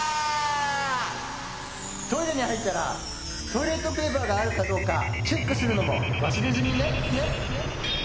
トイレにはいったらトイレットペーパーがあるかどうかチェックするのもわすれずにね。